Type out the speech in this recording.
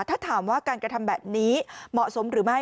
ถ้าถามว่าการกระทำแบบนี้เหมาะสมหรือไม่